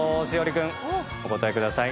君お答えください。